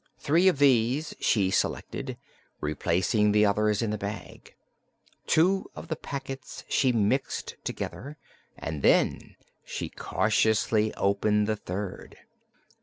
Three of these she selected, replacing the others in the bag. Two of the packets she mixed together, and then she cautiously opened the third.